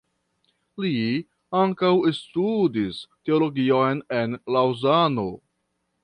Li ankaŭ studis teologion en Laŭzano.